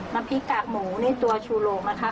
น้ำพริกกากหมูนี่ตัวชูโรงนะคะ